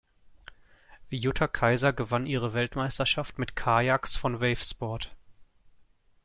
Jutta Kaiser gewann ihre Weltmeisterschaft mit Kajaks von Wave Sport.